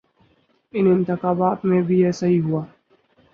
ان انتخابات میں بھی ایسا ہی ہوا۔